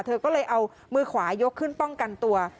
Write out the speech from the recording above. เธอก็เลยเอามือขวายกขึ้นป้องกันตัว